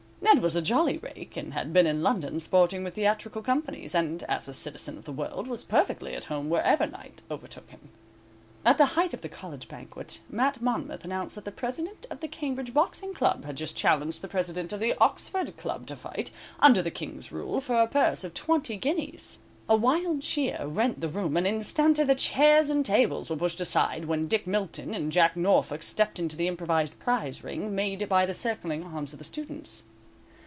Ned was a jolly rake, and had been in London sporting with theatrical companies, and, as a citizen of the world, was perfectly at home wherever night overtook him. At the height of the college banquet Mat Monmouth announced that the president of the Cambridge Boxing Club had just challenged the president of the Oxford Club to fight, under the King's rule, for a purse of twenty guineas. A wild cheer rent the room, and instanter the chairs and tables were pushed aside, when Dick Milton and Jack Norfolk stepped into the improvised prize ring, made by the circling arms of the students.